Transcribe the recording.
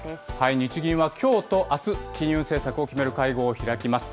日銀はきょうとあす、金融政策を決める会合を開きます。